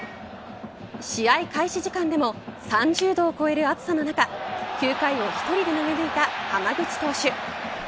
試合開始時間でも３０度を超える暑さの中９回を１人で投げ抜いた濱口投手。